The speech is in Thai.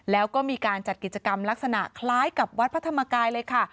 แล้วก็มีการจัดกิจกรรมลักษณะคล้ายกับวัดพระธรรมกายเลยค่ะ